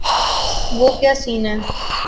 وہ کیا سین ہے۔